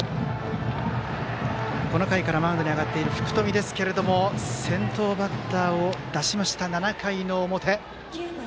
この回からマウンドに上がった福冨ですけれども先頭バッターを出しました７回の表。